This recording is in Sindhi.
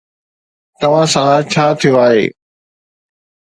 توهان سان ڇا ٿيو آهي؟